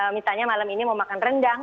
misalnya malam ini mau makan rendang